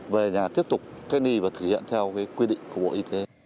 về nhà tiếp tục cách ly và thực hiện theo quy định của bộ y tế